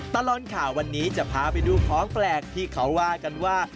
ตลอดข่าววันนี้จะพาไปดูของแปลกที่เขาว่ากันว่า